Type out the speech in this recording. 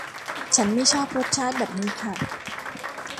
ฉันไม่ชอบรสชาติแบบนี้ค่ะ